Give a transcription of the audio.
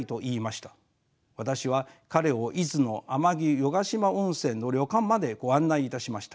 私は彼を伊豆の天城湯ヶ島温泉の旅館までご案内いたしました。